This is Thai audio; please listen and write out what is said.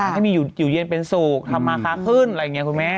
จะได้อยู่เรียนเป็นศูกร์ทำฮาคาขึ้นอะไรอย่างนี้คุณแม่